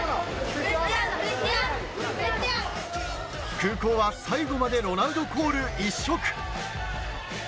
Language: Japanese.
空港は最後までロナウドコール、一色。